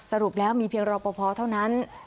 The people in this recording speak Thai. สรุปแล้วมีเพียงรอปภเท่านั้น